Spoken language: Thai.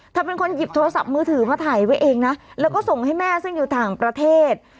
เธอเป็นคนหยิบโทรศัพท์มือถือมาถ่ายไว้เองนะแล้วก็ส่งให้แม่ซึ่งอยู่ต่างประเทศ